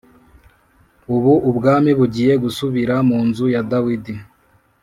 ubu ubwami bugiye gusubira mu nzu ya Dawidi